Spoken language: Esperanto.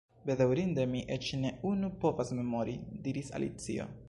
"Bedaŭrinde, mi eĉ ne unu povas memori," diris Alicio.